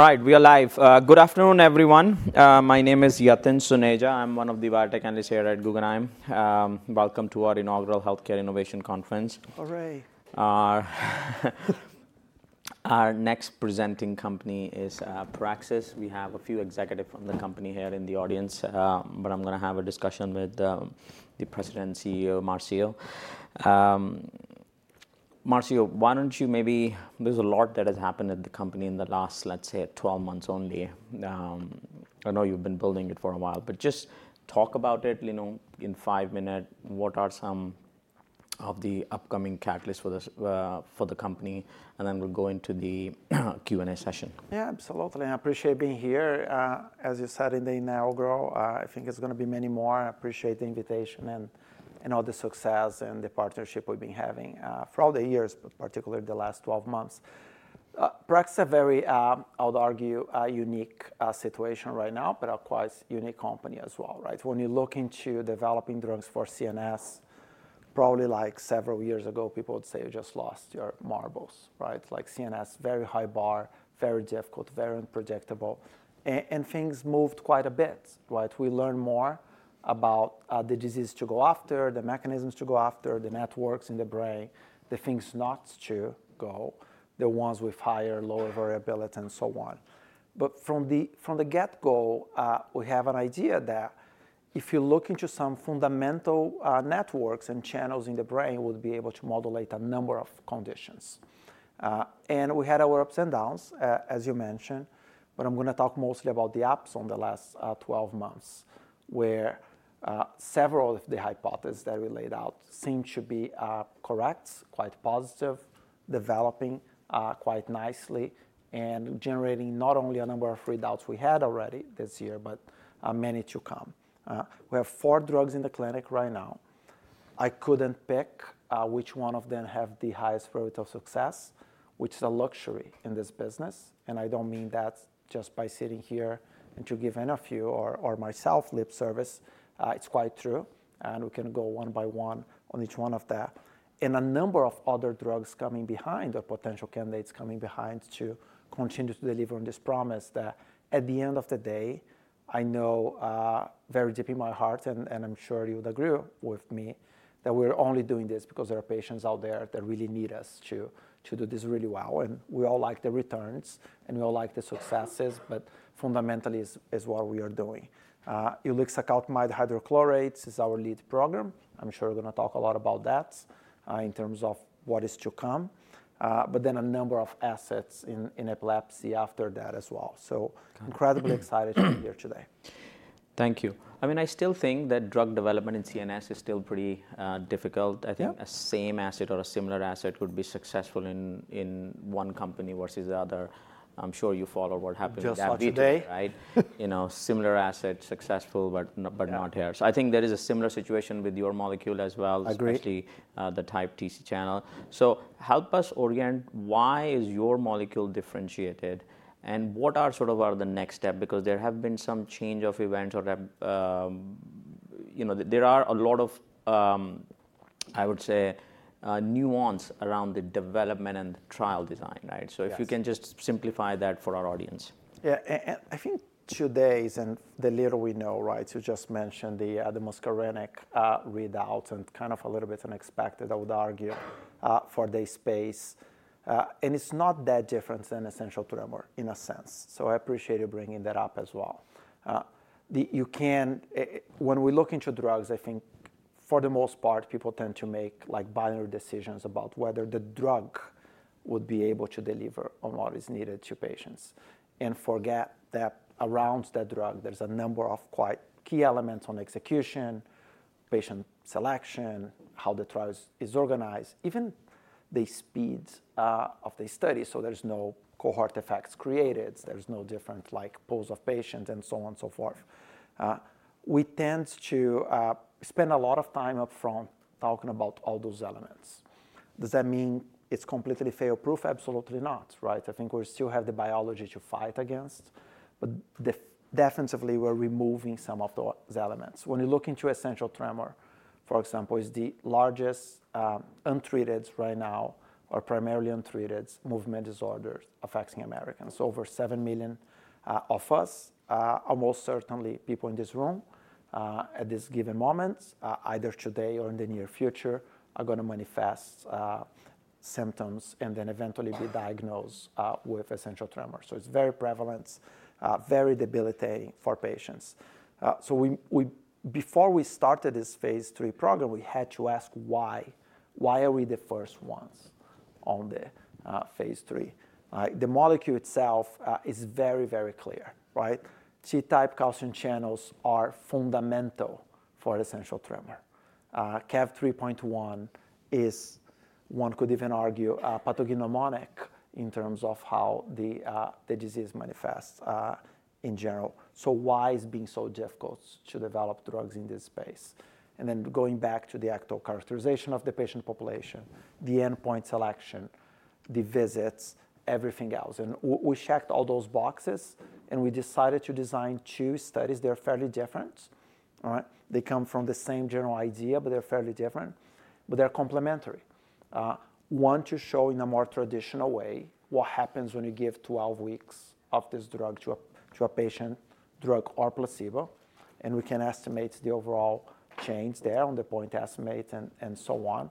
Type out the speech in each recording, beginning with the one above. All right, we are live. Good afternoon, everyone. My name is Yatin Suneja. I'm one of the biotech analysts here at Guggenheim. Welcome to our inaugural Healthcare Innovation Conference. Hooray. Our next presenting company is Praxis. We have a few executives from the company here in the audience, but I'm going to have a discussion with the President and CEO, Marcio. Marcio, why don't you maybe, there's a lot that has happened at the company in the last, let's say, 12 months only. I know you've been building it for a while, but just talk about it in five minutes. What are some of the upcoming catalysts for the company? And then we'll go into the Q&A session. Yeah, absolutely. I appreciate being here. As you said, in the inaugural, I think there's going to be many more. I appreciate the invitation and all the success and the partnership we've been having for all the years, particularly the last 12 months. Praxis is a very, I would argue, unique situation right now, but a quite unique company as well. When you look into developing drugs for CNS, probably like several years ago, people would say, you just lost your marbles. CNS, very high bar, very difficult, very unpredictable. And things moved quite a bit. We learn more about the disease to go after, the mechanisms to go after, the networks in the brain, the things not to go, the ones with higher or lower variability, and so on. But from the get-go, we have an idea that if you look into some fundamental networks and channels in the brain, we would be able to modulate a number of conditions. And we had our ups and downs, as you mentioned, but I'm going to talk mostly about the ups in the last 12 months, where several of the hypotheses that we laid out seem to be correct, quite positive, developing quite nicely, and generating not only a number of readouts we had already this year, but many to come. We have four drugs in the clinic right now. I couldn't pick which one of them has the highest rate of success, which is a luxury in this business. And I don't mean that just by sitting here and to give any of you or myself lip service. It's quite true. We can go one by one on each one of that. A number of other drugs coming behind or potential candidates coming behind to continue to deliver on this promise that at the end of the day, I know very deep in my heart, and I'm sure you would agree with me, that we're only doing this because there are patients out there that really need us to do this really well. We all like the returns, and we all like the successes, but fundamentally is what we are doing. Ulixacaltamide hydrochloride is our lead program. I'm sure we're going to talk a lot about that in terms of what is to come. Then a number of assets in epilepsy after that as well. Incredibly excited to be here today. Thank you. I mean, I still think that drug development in CNS is still pretty difficult. I think a same asset or a similar asset could be successful in one company versus the other. I'm sure you follow what happened with AbbVie today. Just today. Similar asset, successful, but not here. So, I think there is a similar situation with your molecule as well. Agreed. Especially the T-type calcium channel. So help us orient why is your molecule differentiated, and what are sort of the next step? Because there have been some change of events or there are a lot of, I would say, nuance around the development and trial design. So if you can just simplify that for our audience. Yeah. I think today's and the little we know, you just mentioned the muscarinic readouts and kind of a little bit unexpected, I would argue, for this space. And it's not that different than Essential Tremor in a sense. So I appreciate you bringing that up as well. When we look into drugs, I think for the most part, people tend to make binary decisions about whether the drug would be able to deliver on what is needed to patients. And forget that around that drug, there's a number of quite key elements on execution, patient selection, how the trial is organized, even the speed of the study. So there's no cohort effects created. There's no different pools of patients and so on and so forth. We tend to spend a lot of time upfront talking about all those elements. Does that mean it's completely fail-proof? Absolutely not. I think we still have the biology to fight against, but definitively, we're removing some of those elements. When you look into essential tremor, for example, is the largest untreated right now or primarily untreated movement disorders affecting Americans? Over seven million of us, almost certainly people in this room at this given moment, either today or in the near future, are going to manifest symptoms and then eventually be diagnosed with essential tremor. So it's very prevalent, very debilitating for patients. So before we started this phase III program, we had to ask why. Why are we the first ones on the phase III? The molecule itself is very, very clear. T-type calcium channels are fundamental for essential tremor. CaV3.1 is, one could even argue, pathognomonic in terms of how the disease manifests in general. So why is it being so difficult to develop drugs in this space? And then going back to the actual characterization of the patient population, the endpoint selection, the visits, everything else, and we checked all those boxes, and we decided to design two studies. They're fairly different. They come from the same general idea, but they're fairly different, but they're complementary. One to show in a more traditional way what happens when you give 12 weeks of this drug to a patient, drug or placebo, and we can estimate the overall change there on the point estimate and so on,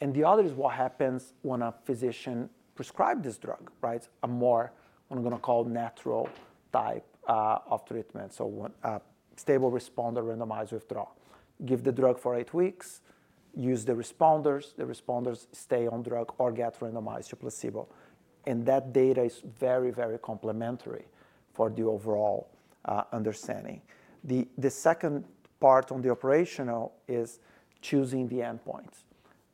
and the other is what happens when a physician prescribes this drug, a more, I'm going to call, natural type of treatment, so stable responder randomized withdrawal. Give the drug for eight weeks, use the responders, the responders stay on drug or get randomized to placebo, and that data is very, very complementary for the overall understanding. The second part on the operational is choosing the endpoints.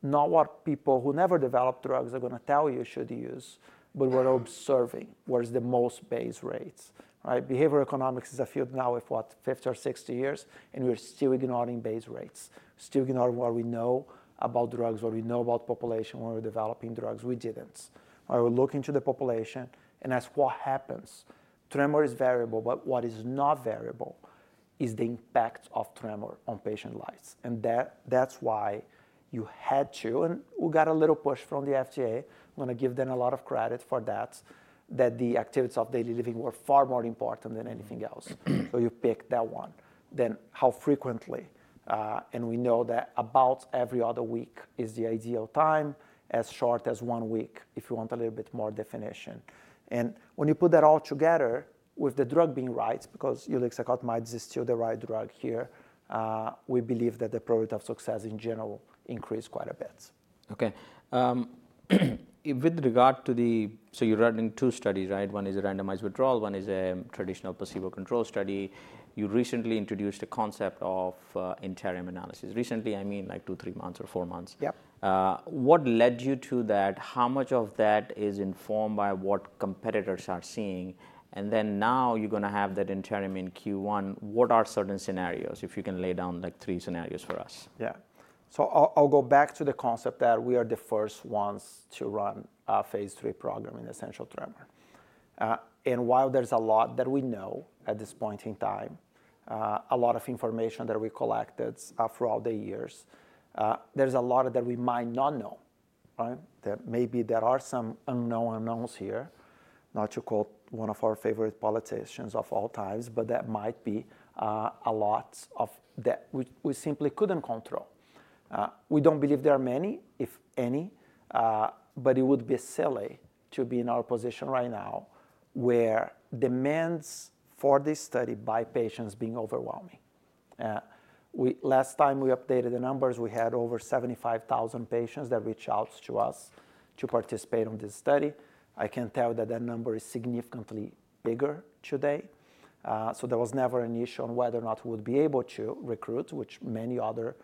Not what people who never developed drugs are going to tell you you should use, but what we're observing, whereas the most base rates. Behavioral economics is a field now of what, 50 or 60 years, and we're still ignoring base rates, still ignoring what we know about drugs, what we know about the population when we're developing drugs. We didn't. We're looking to the population and ask what happens. Tremor is variable, but what is not variable is the impact of tremor on patient lives. And that's why you had to, and we got a little push from the FDA. I'm going to give them a lot of credit for that, that the activities of daily living were far more important than anything else. So you pick that one. Then how frequently? We know that about every other week is the ideal time, as short as one week if you want a little bit more definition. When you put that all together with the drug being right, because ulixacaltamide is still the right drug here, we believe that the probability of success in general increased quite a bit. OK. With regard to the, so you're running two studies, right? One is a randomized withdrawal. One is a traditional placebo-controlled study. You recently introduced the concept of interim analysis. Recently, I mean like two, three months or four months. Yep. What led you to that? How much of that is informed by what competitors are seeing? And then now you're going to have that interim in Q1. What are certain scenarios if you can lay down three scenarios for us? Yeah. So I'll go back to the concept that we are the first ones to run a phase III program in Essential Tremor. And while there's a lot that we know at this point in time, a lot of information that we collected throughout the years, there's a lot that we might not know. Maybe there are some unknown unknowns here, not to quote one of our favorite politicians of all times, but that might be a lot that we simply couldn't control. We don't believe there are many, if any, but it would be silly to be in our position right now where demands for this study by patients being overwhelming. Last time we updated the numbers, we had over 75,000 patients that reached out to us to participate in this study. I can tell you that that number is significantly bigger today. So there was never an issue on whether or not we would be able to recruit, which many other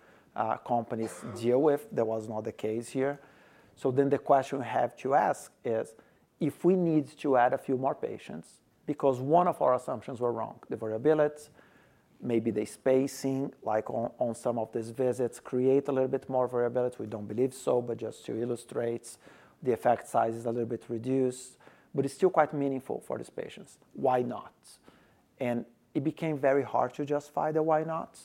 companies deal with. That was not the case here. So then the question we have to ask is, if we need to add a few more patients, because one of our assumptions were wrong, the variability, maybe the spacing like on some of these visits create a little bit more variability. We don't believe so, but just to illustrate, the effect size is a little bit reduced, but it's still quite meaningful for these patients. Why not? And it became very hard to justify the why not.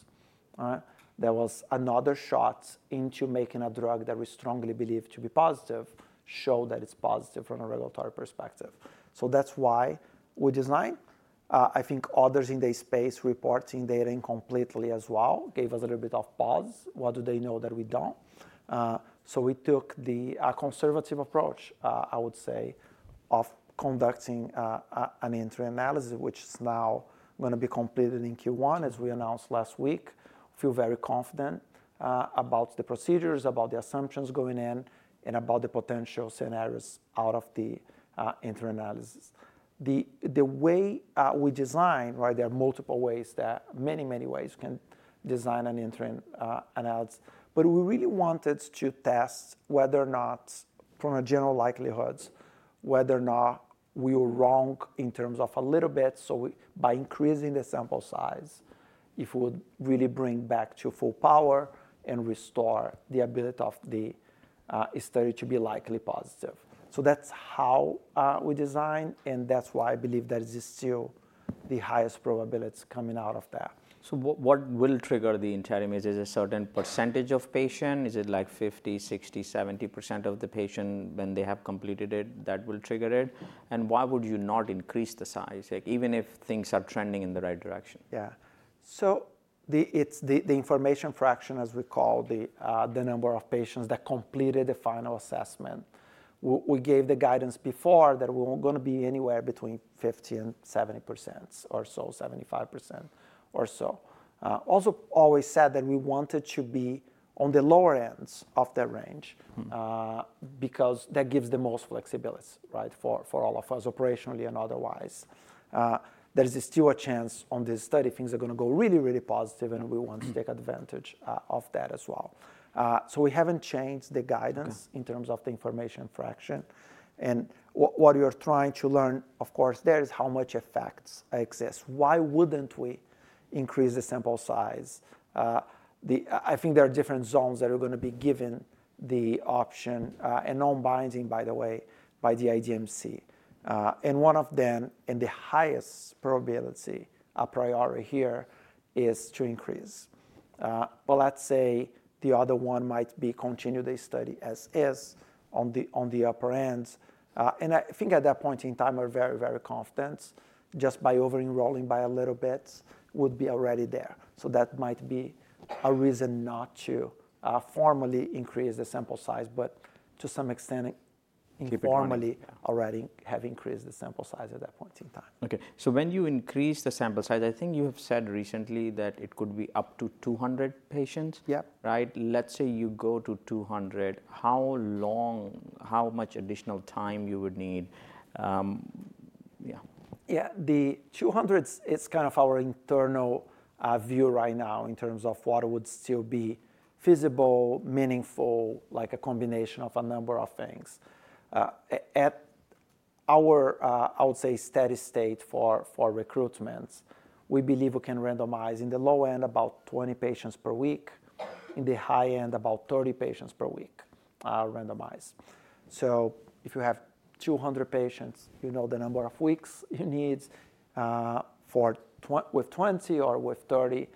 There was another shot into making a drug that we strongly believe to be positive showed that it's positive from a regulatory perspective. So that's why we designed. I think others in the space, reporting data incompletely as well, gave us a little bit of pause. What do they know that we don't? So we took the conservative approach, I would say, of conducting an interim analysis, which is now going to be completed in Q1, as we announced last week. Feel very confident about the procedures, about the assumptions going in, and about the potential scenarios out of the interim analysis. The way we design, there are multiple ways that many, many ways you can design an interim analysis. But we really wanted to test whether or not, from a general likelihood, whether or not we were wrong in terms of a little bit. So by increasing the sample size, if we would really bring back to full power and restore the ability of the study to be likely positive. So that's how we designed, and that's why I believe that is still the highest probability coming out of that. What will trigger the interim? Is it a certain percentage of patients? Is it like 50%, 60%, 70% of the patients when they have completed it that will trigger it? Why would you not increase the size, even if things are trending in the right direction? Yeah. So the information fraction, as we call the number of patients that completed the final assessment, we gave the guidance before that we weren't going to be anywhere between 50% and 70% or so, 75% or so. Also always said that we wanted to be on the lower ends of that range because that gives the most flexibility for all of us operationally and otherwise. There is still a chance on this study, things are going to go really, really positive, and we want to take advantage of that as well. So we haven't changed the guidance in terms of the information fraction. And what you're trying to learn, of course, there is how much effects exist. Why wouldn't we increase the sample size? I think there are different zones that are going to be given the option, and non-binding, by the way, by the IDMC. And one of them, and the highest probability a priori here is to increase. But let's say the other one might be continue the study as is on the upper end. And I think at that point in time, we're very, very confident just by over-enrolling by a little bit would be already there. So that might be a reason not to formally increase the sample size, but to some extent informally already have increased the sample size at that point in time. OK, so when you increase the sample size, I think you have said recently that it could be up to 200 patients. Yep. Let's say you go to 200, how much additional time you would need? Yeah. The 200 is kind of our internal view right now in terms of what would still be feasible, meaningful, like a combination of a number of things. At our, I would say, steady state for recruitment, we believe we can randomize in the low end about 20 patients per week, in the high end about 30 patients per week randomized. So if you have 200 patients, you know the number of weeks you need. With 20 or with 30,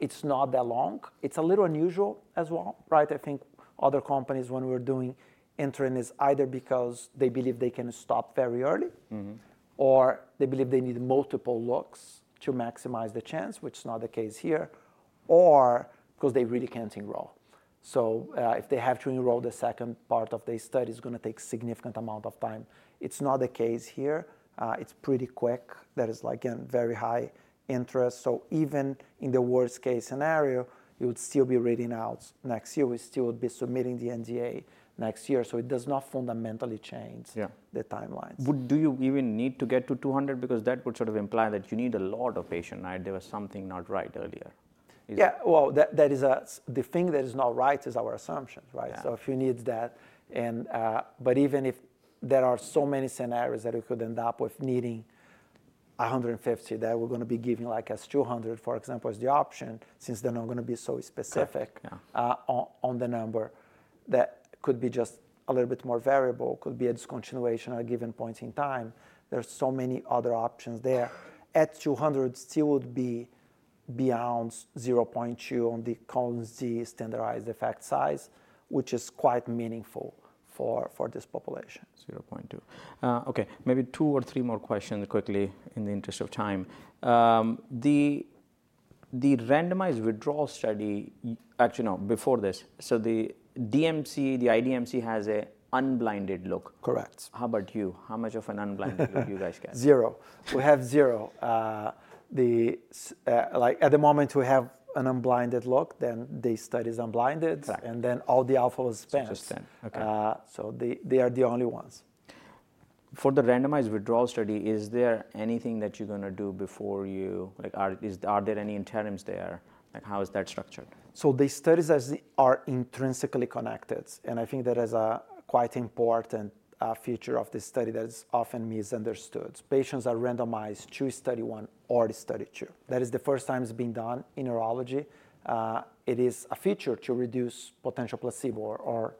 it's not that long. It's a little unusual as well. I think other companies, when we're doing interim, is either because they believe they can stop very early, or they believe they need multiple looks to maximize the chance, which is not the case here, or because they really can't enroll. So if they have to enroll, the second part of the study is going to take a significant amount of time. It's not the case here. It's pretty quick. There is, again, very high interest. So even in the worst case scenario, you would still be reading out next year. We still would be submitting the NDA next year. So it does not fundamentally change the timelines. Do you even need to get to 200? Because that would sort of imply that you need a lot of patients. There was something not right earlier. Yeah. Well, the thing that is not right is our assumptions. So if you need that, but even if there are so many scenarios that we could end up with needing 150, that we're going to be giving like as 200, for example, as the option, since they're not going to be so specific on the number, that could be just a little bit more variable, could be a discontinuation at a given point in time. There are so many other options there. At 200, still would be beyond 0.2 on the Cohen's d standardized effect size, which is quite meaningful for this population. OK. Maybe two or three more questions quickly in the interest of time. The randomized withdrawal study, actually, no, before this, so the DMC, the IDMC has an unblinded look. Correct. How about you? How much of an unblinded look do you guys get? Zero. We have zero. At the moment, we have an unblinded look, then the study is unblinded, and then all the alpha was spent. So spent. OK. They are the only ones. For the randomized withdrawal study, is there anything that you're going to do before you, are there any interims there? How is that structured? So the studies are intrinsically connected. And I think that is a quite important feature of this study that is often misunderstood. Patients are randomized to study one or study two. That is the first time it's being done in neurology. It is a feature to reduce potential placebo,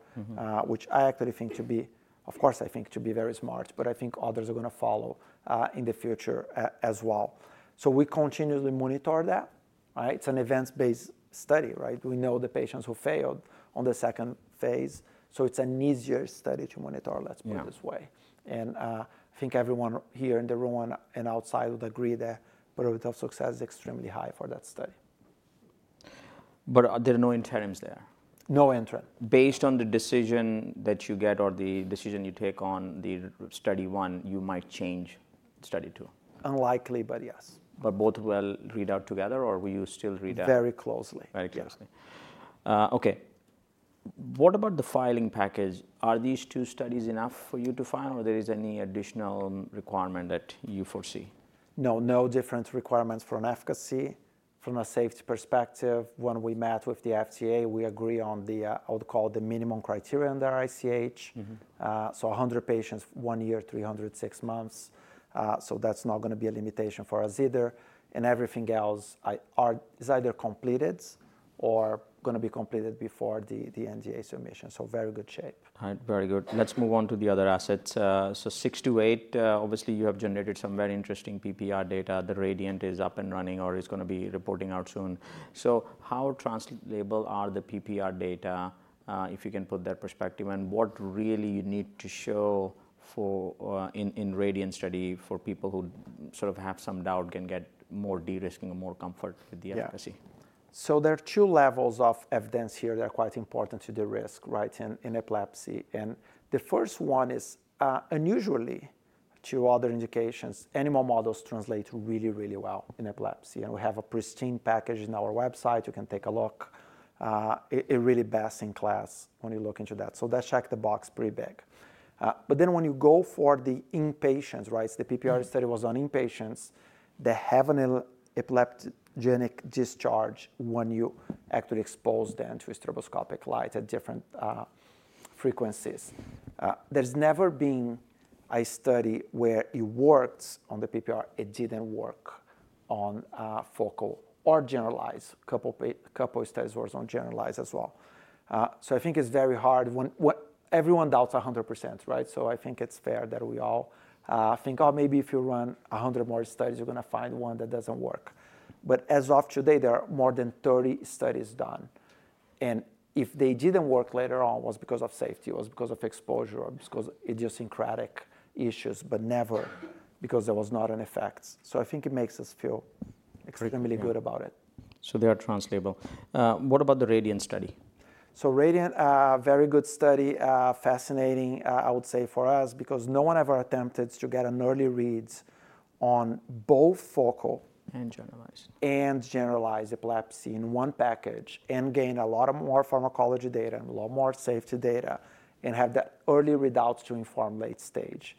which I actually think to be, of course, I think to be very smart, but I think others are going to follow in the future as well. So we continually monitor that. It's an events-based study. We know the patients who failed on the second phase. So it's an easier study to monitor, let's put it this way. And I think everyone here in the room and outside would agree that probability of success is extremely high for that study. But there are no interims there? No interim. Based on the decision that you get or the decision you take on the study one, you might change study two? Unlikely, but yes. But both will read out together, or will you still read out? Very closely. Very closely. OK. What about the filing package? Are these two studies enough for you to file, or there is any additional requirement that you foresee? No. No different requirements for an efficacy. From a safety perspective, when we met with the FDA, we agree on what we call the minimum criteria under ICH. So 100 patients, one year, 300 six-month. So that's not going to be a limitation for us either. And everything else is either completed or going to be completed before the NDA submission. So very good shape. Very good. Let's move on to the other assets. So six to eight, obviously, you have generated some very interesting PPR data. The RADIANT is up and running or is going to be reporting out soon. So how translatable are the PPR data, if you can put that perspective? And what really you need to show in RADIANT study for people who sort of have some doubt, can get more de-risking or more comfort with the efficacy? Yeah. So there are two levels of evidence here that are quite important to the risk in epilepsy. And the first one is unlike other indications, animal models translate really, really well in epilepsy. And we have a pristine package on our website. You can take a look. It really is best in class when you look into that. So that checked the box pretty big. But then when you go for the patients, the PPR study was on patients that have an epileptogenic discharge when you actually expose them to stroboscopic light at different frequencies. There's never been a study where it didn't work on the PPR. It didn't work on focal or generalized. A couple of studies were on generalized as well. So I think it's very hard. Everyone doubts 100%. So I think it's fair that we all think, oh, maybe if you run 100 more studies, you're going to find one that doesn't work. But as of today, there are more than 30 studies done. And if they didn't work later on, it was because of safety, it was because of exposure, or because idiosyncratic issues, but never because there was not an effect. So I think it makes us feel extremely good about it. So they are translatable. What about the RADIANT study? RADIANT, a very good study, fascinating, I would say, for us, because no one ever attempted to get an early read on both focal. And generalized. Generalized epilepsy in one package and gain a lot more pharmacology data and a lot more safety data and have that early readouts to inform late-stage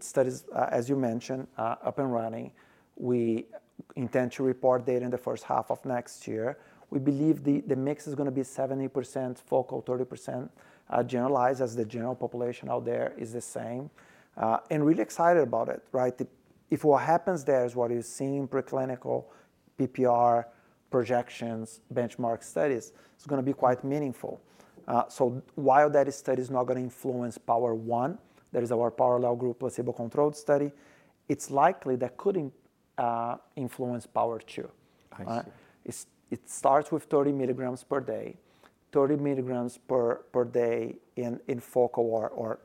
studies, as you mentioned, up and running. We intend to report data in the H1 of next year. We believe the mix is going to be 70% focal, 30% generalized, as the general population out there is the same. Really excited about it. If what happens there is what you're seeing in preclinical PPR projections, benchmark studies, it's going to be quite meaningful. While that study is not going to influence POWER 1, that is our parallel group placebo-controlled study, it's likely that could influence POWER 2. It starts with 30 milligrams per day. 30 milligrams per day in focal or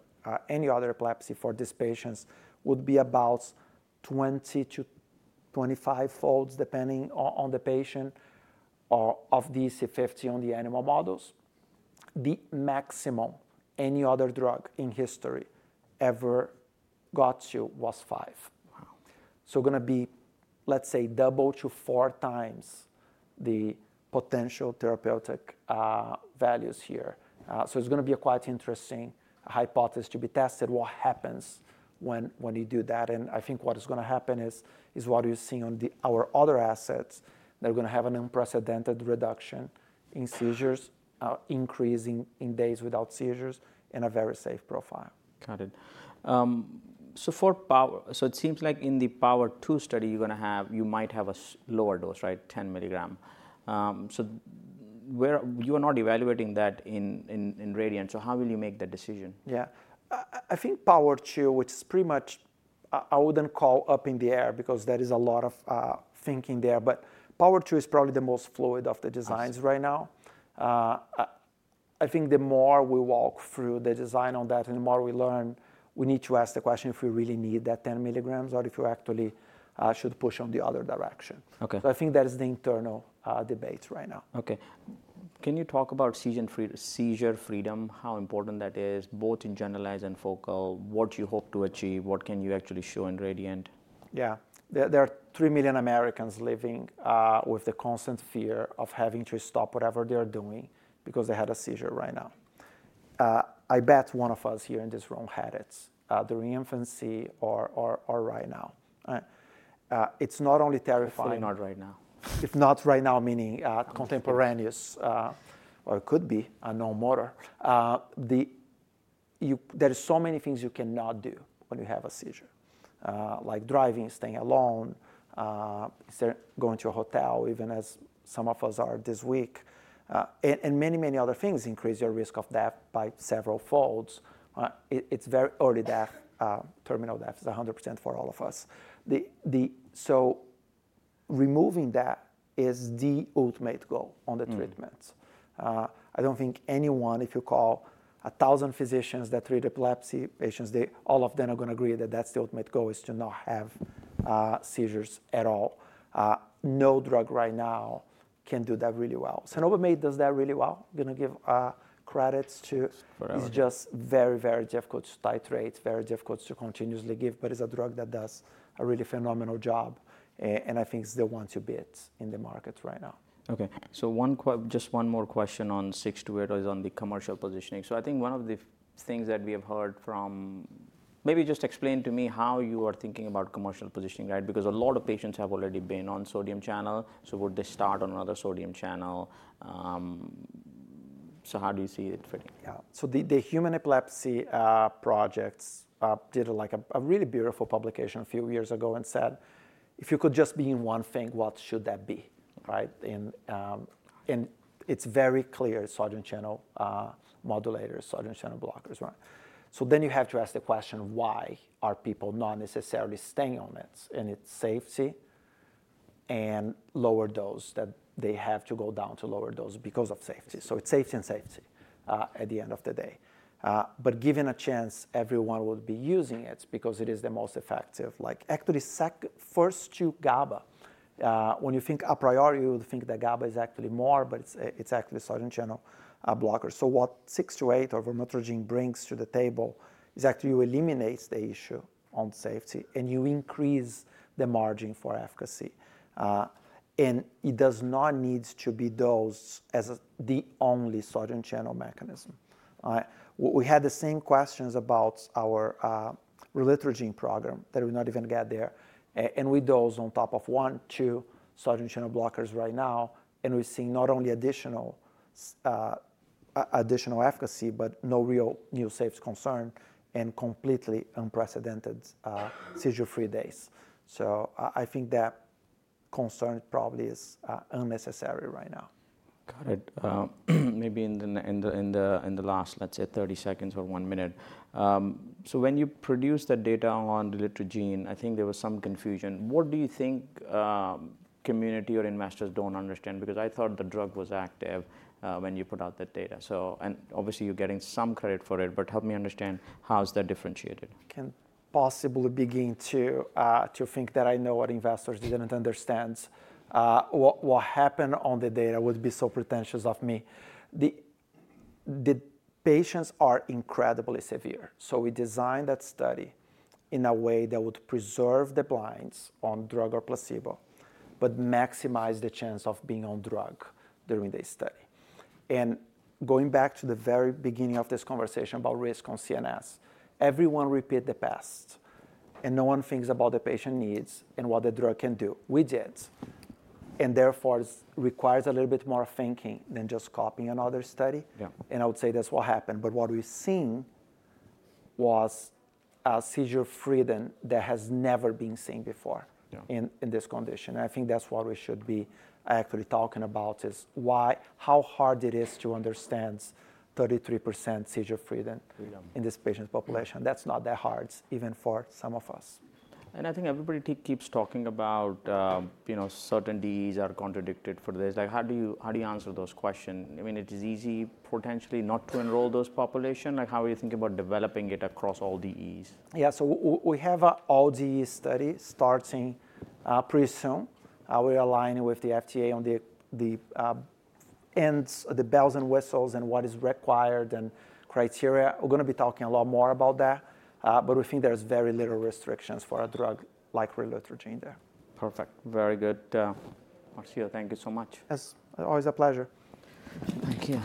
any other epilepsy for these patients would be about 20 to 25 folds, depending on the patient, of EC50 on the animal models. The maximum any other drug in history ever got to was five, so going to be, let's say, double to four times the potential therapeutic values here, so it's going to be a quite interesting hypothesis to be tested what happens when you do that, and I think what is going to happen is what you're seeing on our other assets. They're going to have an unprecedented reduction in seizures, increasing in days without seizures, and a very safe profile. Got it. So it seems like in the POWER 2 study, you might have a lower dose, 10 milligram. So you are not evaluating that in RADIANT. So how will you make that decision? Yeah. I think POWER 2, which is pretty much. I wouldn't call up in the air because there is a lot of thinking there. But POWER 2 is probably the most fluid of the designs right now. I think the more we walk through the design on that and the more we learn, we need to ask the question if we really need that 10 milligrams or if we actually should push on the other direction, so I think that is the internal debate right now. OK. Can you talk about seizure freedom, how important that is, both in generalized and focal? What do you hope to achieve? What can you actually show in RADIANT? Yeah. There are three million Americans living with the constant fear of having to stop whatever they are doing because they had a seizure right now. I bet one of us here in this room had it during infancy or right now. It's not only terrifying. If not right now. If not right now, meaning contemporaneous, or it could be a known morbidity. There are so many things you cannot do when you have a seizure, like driving, staying alone, going to a hotel, even as some of us are this week, and many, many other things increase your risk of death by several folds. It's very early death, terminal death is 100% for all of us. So removing that is the ultimate goal on the treatments. I don't think anyone, if you call 1,000 physicians that treat epilepsy patients, all of them are going to agree that that's the ultimate goal, is to not have seizures at all. No drug right now can do that really well. Cenobamate does that really well. I'm going to give credit to. It's just very, very difficult to titrate, very difficult to continuously give, but it's a drug that does a really phenomenal job, and I think it's the one to beat in the market right now. OK. So just one more question on six to eight is on the commercial positioning. So I think one of the things that we have heard from. Maybe just explain to me how you are thinking about commercial positioning, because a lot of patients have already been on sodium channel. So would they start on another sodium channel? So how do you see it fitting? Yeah. So the Human Epilepsy Project did a really beautiful publication a few years ago and said, if you could just be in one thing, what should that be? And it's very clear sodium channel modulators, sodium channel blockers. So then you have to ask the question, why are people not necessarily staying on it? And it's safety and lower dose that they have to go down to lower dose because of safety. So it's safety and safety at the end of the day. But given a chance, everyone would be using it because it is the most effective. Actually, first to GABA, when you think a priori, you would think that GABA is actually more, but it's actually sodium channel blockers. So what six to eight or relutrigine brings to the table is actually you eliminate the issue on safety, and you increase the margin for efficacy. And it does not need to be dosed as the only sodium channel mechanism. We had the same questions about our relutrigine program that we're not even getting there. And we dose on top of one, two sodium channel blockers right now. And we're seeing not only additional efficacy, but no real new safety concern and completely unprecedented seizure-free days. So I think that concern probably is unnecessary right now. Got it. Maybe in the last, let's say, 30 seconds or one minute. So when you produce the data on relutrigine, I think there was some confusion. What do you think community or investors don't understand? Because I thought the drug was active when you put out that data. And obviously, you're getting some credit for it, but help me understand how is that differentiated? Can't possibly begin to think that I know what investors didn't understand. What happened on the data would be so pretentious of me. The patients are incredibly severe. So we designed that study in a way that would preserve the blind on drug or placebo, but maximize the chance of being on drug during the study. And going back to the very beginning of this conversation about risk on CNS, everyone repeated the past. And no one thinks about the patient needs and what the drug can do. We did. And therefore, it requires a little bit more thinking than just copying another study. And I would say that's what happened. But what we've seen was a seizure freedom that has never been seen before in this condition. I think that's what we should be actually talking about, is how hard it is to understand 33% seizure freedom in this patient population. That's not that hard, even for some of us. I think everybody keeps talking about certain DEs are contraindicated for this. How do you answer those questions? I mean, it is easy potentially not to enroll those populations. How are you thinking about developing it across all DEs? Yeah, so we have an all-DE study starting pretty soon. We're aligning with the FDA on the bells and whistles and what is required and criteria. We're going to be talking a lot more about that. But we think there's very little restrictions for a drug like relutrigine there. Perfect. Very good. Marcio, thank you so much. Yes. Always a pleasure. Thank you.